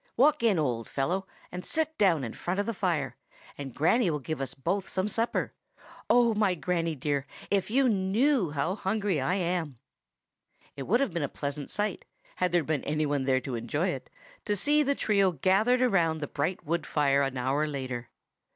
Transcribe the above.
Walk in, old fellow, and sit down in front of the fire, and Granny will give us both some supper. Oh! my Granny dear, if you knew how hungry I am!" It would have been a pleasant sight, had there been any one there to enjoy it, to see the trio gathered around the bright wood fire an hour later.